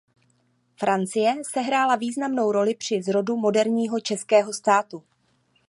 Francie sehrála významnou roli při zrodu moderního českého státu.